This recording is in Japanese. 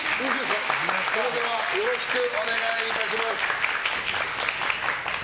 それではよろしくお願いします。